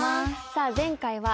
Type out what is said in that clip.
さあ前回は。